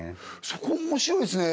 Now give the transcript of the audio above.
そこ面白いですね